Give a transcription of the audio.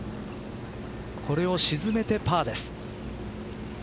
これを沈めてパーです。